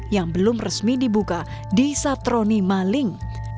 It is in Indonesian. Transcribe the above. yang belum resmi dibuka di satroni maling